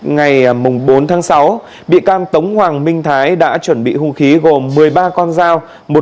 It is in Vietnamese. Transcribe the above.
ngày bốn tháng sáu bị can tống hoàng minh thái đã chuẩn bị hung khí gồm một mươi ba con dao